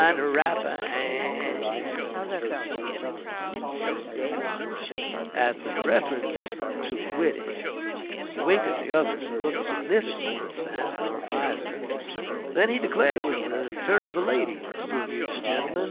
_ At the reference to a "widdy" he winked at the others and looked significantly at Sam and Aunt 'Liza. Then he declared it was the turn of the ladies to amuse the gentlemen.